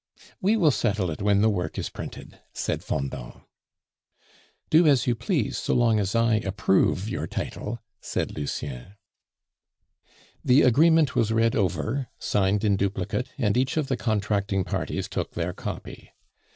"We will settle it when the work is printed," said Fendant. "Do as you please, so long as I approve your title," said Lucien. The agreement was read over, signed in duplicate, and each of the contracting parties took their copy.